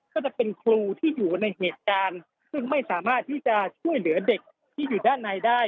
ก็จะเป็นครูที่อยู่ในเหตุการณ์ซึ่งไม่สามารถที่จะช่วยเหลือเด็กที่อยู่ด้านในได้